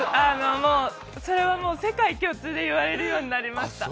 それはもう世界共通で言われるようになりました。